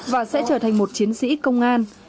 và sẽ trở thành một chiến sĩ công an